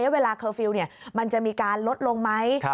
เวลาเคอร์ฟิลล์มันจะมีการลดลงไหม